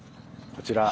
こちら。